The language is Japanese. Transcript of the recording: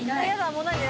もう何で？